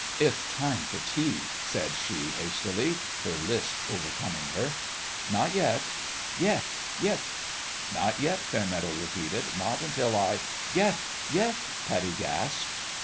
" It'th time for tea," said she, hastily, her lisp overcoming her. " Not yet." " Yeth, yeth !"" Not yet," Fairmeadow repeated ;" not until I 41 Yeth, yeth !" Pattie gasped.